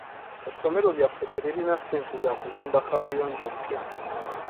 Essomero lyaffe teririna ssente za kuzimba kaabuyonjo mpya.